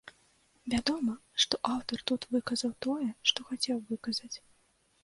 Вядома, што аўтар тут выказаў тое, што хацеў выказаць.